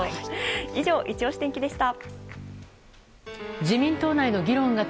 以上、いちオシ天気でした。